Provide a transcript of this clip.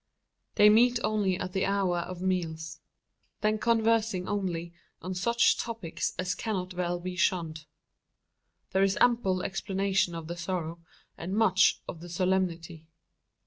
They meet only at the hour of meals then conversing only on such topics as cannot well be shunned. There is ample explanation of the sorrow, and much of the solemnity.